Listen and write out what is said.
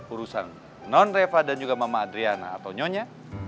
urusan non reva dan juga mama adriana atau nyonya